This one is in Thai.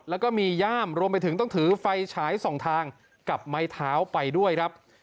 แล้วก็มีย่ามรวมไปถึงต้องถือไฟฉายสองทางกับไม้เท้าไปด้วยครับ